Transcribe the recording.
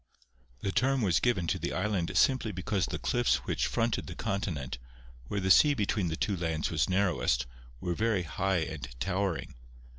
The term was given to the island simply because the cliffs which fronted the continent, where the sea between the two lands was narrowest, were very high and towering.